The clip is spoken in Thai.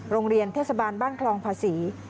โรงเรียนเทศบาลบ้านคลองภาษี